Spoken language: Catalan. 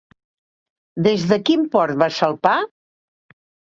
Des de quin port van salpar?